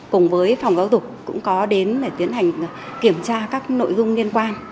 cùng với phòng giáo dục cũng có đến để tiến hành kiểm tra các nội dung liên quan